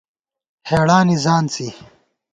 ہېڑانی ځانڅی